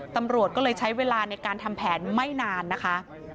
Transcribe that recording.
ตำรวจก็เลยใช้เวลาในการทำแผนไม่นานนะคะ